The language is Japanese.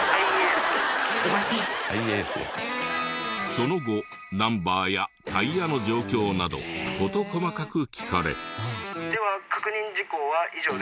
その後ナンバーやタイヤの状況など事細かく聞かれ。